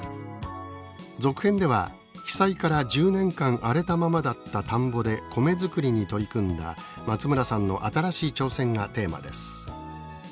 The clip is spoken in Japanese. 続編では被災から１０年間荒れたままだった田んぼでコメ作りに取り組んだ松村さんの新しい挑戦がテーマです。